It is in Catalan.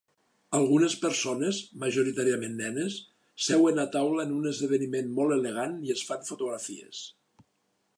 Algunes persones, majoritàriament nenes, seuen a taula en un esdeveniment molt elegant i es fan fotografies.